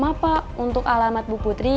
ma pak untuk alamat bu putri